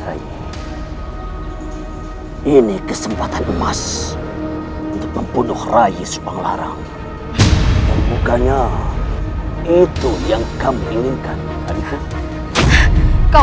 hai ini kesempatan emas untuk membunuh raih subang larang bukannya itu yang kamu inginkan adikku kau